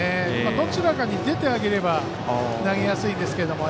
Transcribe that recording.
どちらかに出てあげれば投げやすいんですけども。